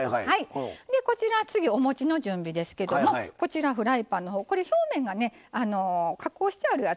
こちら次おもちの準備ですけどもこちらフライパンこれ表面が加工してあるやつ。